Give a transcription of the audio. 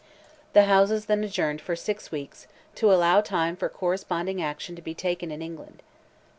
The Houses then adjourned for six weeks, to allow time for corresponding action to be taken in England.